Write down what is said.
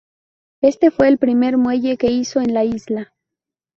Éste fue el primer muelle que se hizo en la isla.